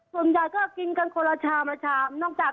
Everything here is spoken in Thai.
ส่วนใหญ่ก็กินคือคนลาช้ำนอกจาก